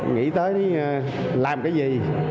nghĩ tới làm cái gì